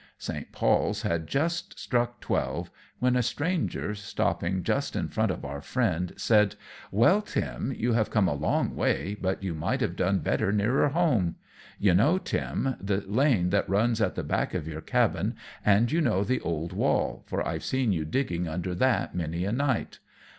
St. Paul's had just struck twelve, when a stranger, stopping just in front of our friend, said "Well, Tim, you have come a long way, but you might have done better nearer home. You know, Tim, the lane that runs at the back of your cabin, and you know the old wall, for I've seen you digging under that many a night.